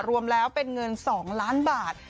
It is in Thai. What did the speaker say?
รวมแล้วเป็นเงิน๒ล้านบาท